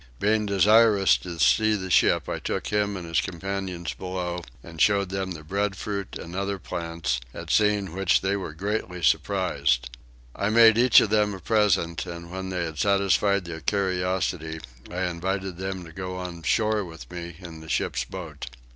Being desirous to see the ship I took him and his companions below and showed them the breadfruit and other plants, at seeing which they were greatly surprised. I made each of them a present, and when they had satisfied their curiosity I invited them to go on shore with me in the ship's boat.